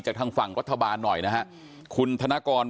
ทางฝั่งรัฐบาลหน่อยนะฮะคุณธนกร